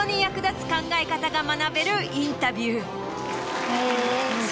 が学べるインタビュー。